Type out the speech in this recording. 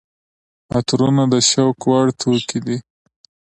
عطرونه د شوق وړ توکي دي.